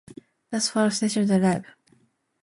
That fall, the station dropped Live!